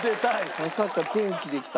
まさか天気できた。